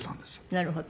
なるほど。